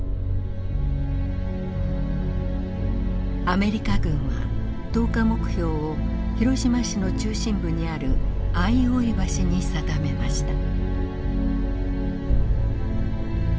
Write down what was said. アメリカ軍は投下目標を広島市の中心部にある相生橋に定めました。